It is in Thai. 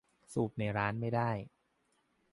สูบในร้านไม่ได้